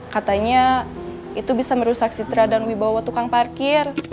katanya itu bisa merusak citra dan wibawa tukang parkir